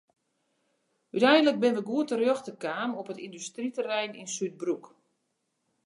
Uteinlik binne wy goed terjochte kaam op it yndustryterrein yn Súdbroek.